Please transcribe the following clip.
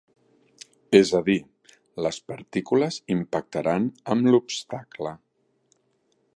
És a dir, les partícules impactaran amb l'obstacle.